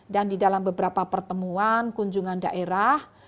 dan di dalam beberapa pertemuan kunjungan daerah